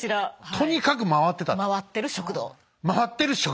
とにかく回ってたと。